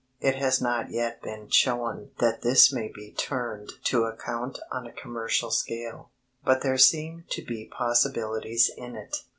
It has not yet been shown that this may be turned to account on a commercial scale, but there seem to be possibilities in it.